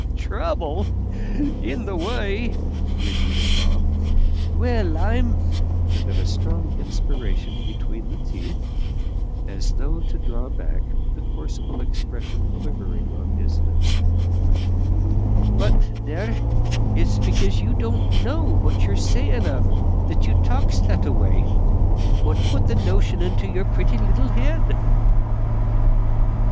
"Trouble! in the way!!" repeated Bob; "Well, I'm " then a strong inspiration between the teeth, as though to draw back the forcible expression quivering on his lips "but there, it's because you don't know what you're sayin' of, that you talks that a way. What put that notion into your pretty little head?"